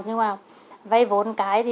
nhưng mà vay vốn cái thì